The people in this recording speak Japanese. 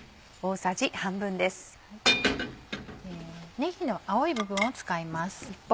ねぎの青い部分を使います。